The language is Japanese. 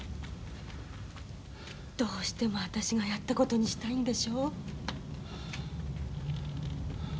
どうしても私がやった事にしたいんでしょう？